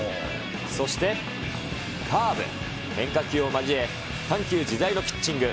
そしてカーブ、変化球を交え、緩急自在のピッチング。